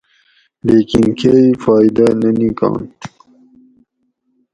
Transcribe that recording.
لیکن کئی فائیدہ نہ نِکانت